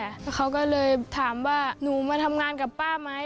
แล้วเขาก็เลยถามว่าหนูมาทำงานกับป้าไหม